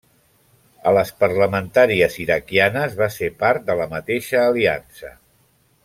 A les parlamentàries iraquianes va ser part de la mateixa aliança.